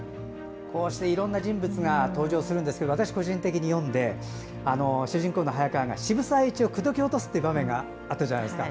こうしていろんな人物が登場するんですけど私、個人的に読んで主人公の早川が渋沢栄一を口説き落とす場面があったじゃないですか。